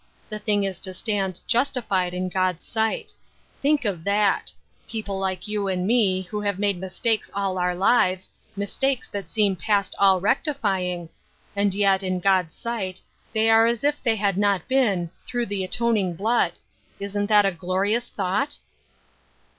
The thing is to stand ' justified ' in God's sight. Think of that I People like you and me, who have made mistakes all our lives — mistakes that seem past all rectifjring — and yet, in God's sight, they are as if they had not been, through the atoning blood I Isn't that a glorious thought?